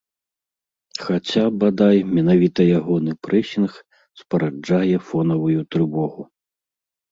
Хаця, бадай, менавіта ягоны прэсінг спараджае фонавую трывогу.